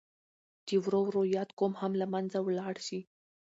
چې ورو ورو ياد قوم هم لمنځه ولاړ شي.